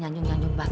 jadi punya eigirman